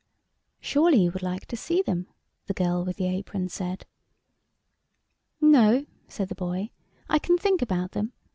"Surely you would like to see them?" the girl with the apron said. " No" said the boy. I can think about them.